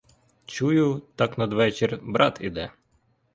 Чую, так надвечір, брат іде.